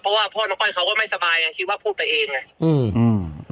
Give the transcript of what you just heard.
เพราะว่าพ่อน้องก้อยเขาก็ไม่สบายไงคิดว่าพูดไปเองไงอืมอืม